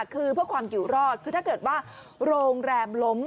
คือเพื่อความอยู่รอดคือถ้าเกิดว่าโรงแรมล้ม